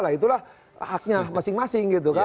nah itulah haknya masing masing